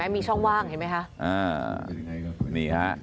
มีช่องว่างเห็นมั้ยครับ